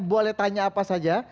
boleh tanya apa saja